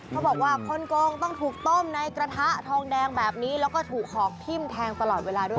เขาบอกว่าคนโกงต้องถูกต้มในกระทะทองแดงแบบนี้แล้วก็ถูกหอกทิ้มแทงตลอดเวลาด้วย